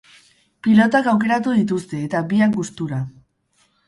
Pilotak aukeratu dituzte eta biak gustura.